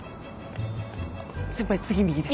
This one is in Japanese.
先輩次右です。